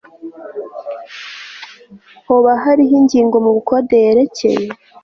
Hoba hariho ingingo mubukode yerekeye